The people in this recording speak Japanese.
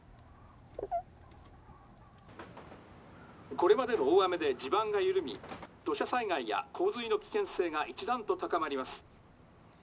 「これまでの大雨で地盤が緩み土砂災害や洪水の危険性が一段と高まります。